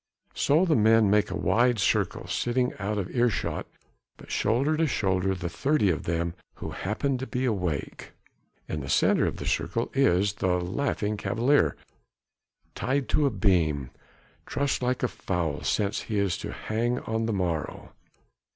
So the men make a wide circle sitting out of ear shot, but shoulder to shoulder the thirty of them who happen to be awake. In the centre of the circle is the Laughing Cavalier tied to a beam, trussed like a fowl since he is to hang on the morrow.